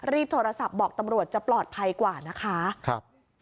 รีบโทรศัพท์บอกตำรวจจะปลอดภัยกว่านะคะครับ